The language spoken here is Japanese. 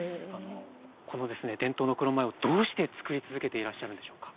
この伝統の黒米をどうして作り続けていらっしゃるんでしょうか。